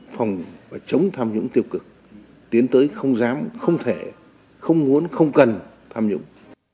phòng và chống tham nhũng tiêu cực tiến tới không dám không thể không muốn không cần tham nhũng